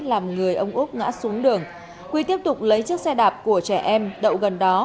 làm người ông úc ngã xuống đường quy tiếp tục lấy chiếc xe đạp của trẻ em đậu gần đó